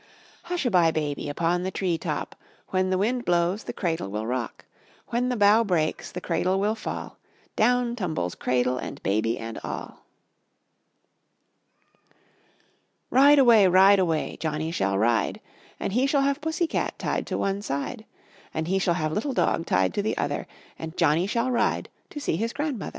Hush a bye, Baby, upon the tree top, When the wind blows the cradle will rock; When the bough breaks the cradle will fall, Down tumbles cradle and Baby and all. Ride away, ride away, Johnny shall ride, And he shall have pussy cat Tied to one side; And he shall have little dog Tied to the other, And Johnny shall ride To see his grandmother.